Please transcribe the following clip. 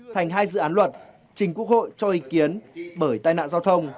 thành hai dự án luật trình quốc hội cho ý kiến bởi tai nạn giao thông